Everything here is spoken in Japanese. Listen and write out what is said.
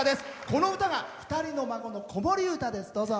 この歌が２人の孫の子守歌です。